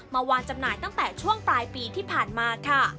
มาวางจำหน่ายตั้งแต่ช่วงปลายปีที่ผ่านมาค่ะ